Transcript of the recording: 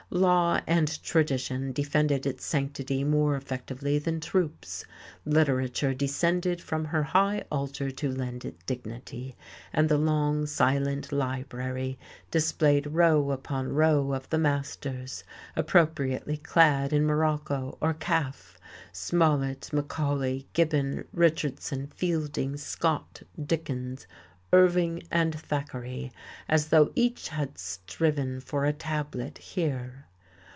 Law and tradition defended its sanctity more effectively than troops. Literature descended from her high altar to lend it dignity; and the long, silent library displayed row upon row of the masters, appropriately clad in morocco or calf, Smollett, Macaulay, Gibbon, Richardson, Fielding, Scott, Dickens, Irving and Thackeray, as though each had striven for a tablet here.